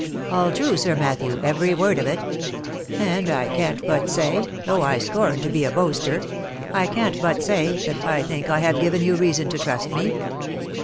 " All true, Sir Matthew, every word of it. And I can't but say, though I scorn to be a boaster, — I can't but say, that I think 1 have given you reason to trust me.